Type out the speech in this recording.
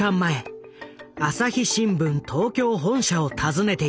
朝日新聞東京本社を訪ねていた。